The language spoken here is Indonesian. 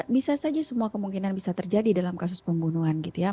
bisa saja semua kemungkinan bisa terjadi dalam kasus pembunuhan gitu ya